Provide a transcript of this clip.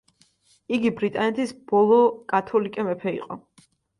იგი ბრიტანეთის ბოლო კათოლიკე მეფე იყო.